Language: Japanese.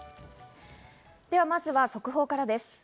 ではまずは速報からです。